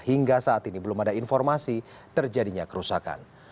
hingga saat ini belum ada informasi terjadinya kerusakan